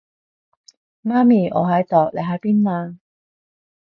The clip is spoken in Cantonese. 媽咪，我喺度，你喺邊啊？